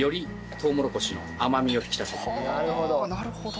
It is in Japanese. なるほど。